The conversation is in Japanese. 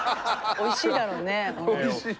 おいしいだろうね。